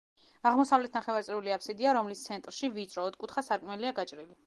აღმოსავლეთ ნახევარწრიული აფსიდია, რომლის ცენტრში ვიწრო, ოთხკუთხა სარკმელია გაჭრილი.